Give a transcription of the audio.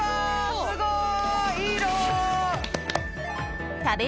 すごい！